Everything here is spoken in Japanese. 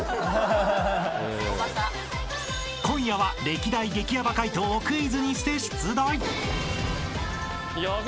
［今夜は歴代激ヤバ解答をクイズにして出題］